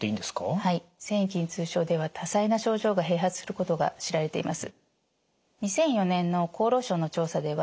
はい線維筋痛症では多彩な症状が併発することが知られています。